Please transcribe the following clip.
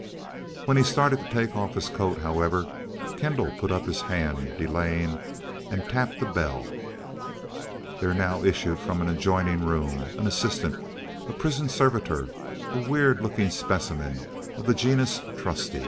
When he started to take off his coat, however, Kendall put up his hand delayingly and tapped a bell. There now issued from an adjoining room an assistant, a prison servitor, a weird looking specimen of the genus "trusty."